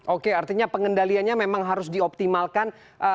oke artinya pengendaliannya memang harus dioptimalkan